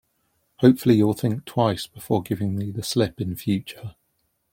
Hopefully, you'll think twice before giving me the slip in future.